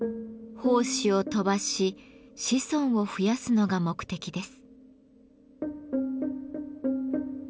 胞子を飛ばし子孫を増やすのが目的です。